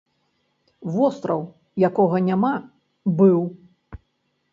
Востраў, якога няма, быў!